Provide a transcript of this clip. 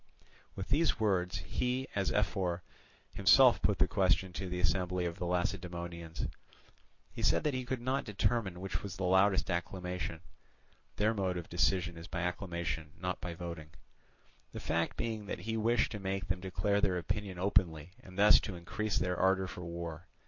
With these words he, as ephor, himself put the question to the assembly of the Lacedaemonians. He said that he could not determine which was the loudest acclamation (their mode of decision is by acclamation not by voting); the fact being that he wished to make them declare their opinion openly and thus to increase their ardour for war.